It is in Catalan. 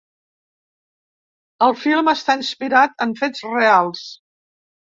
El film està inspirat en fets reals.